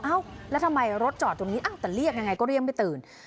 แล้วทำไมรถจอดตรงนี้แต่เรียกยังไงก็เรียกไม่ตื่น